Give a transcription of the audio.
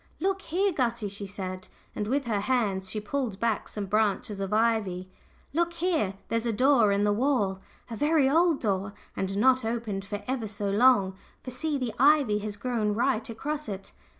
"Look here, Gussie," she said, and with her hands she pulled back some branches of ivy "look here there's a door in the wall a very old door, and not opened for ever so long; for see, the ivy has grown right across it."